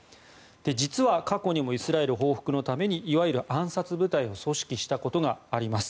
実は、過去にもイスラエル報復のためにいわゆる暗殺部隊を組織したことがあります。